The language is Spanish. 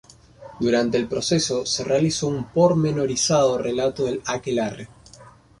Durante el proceso se realizó un pormenorizado relato del aquelarre.